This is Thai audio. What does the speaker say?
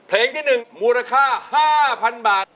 เพลงที่๑มูลค่า๕๐๐๐บาท